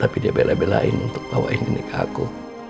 tapi dia bela belain untuk bawain ini ke aku